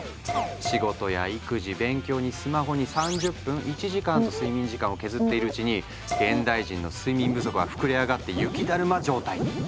仕事や育児勉強にスマホに３０分１時間と睡眠時間を削っているうちに現代人の睡眠不足は膨れ上がって雪だるま状態に。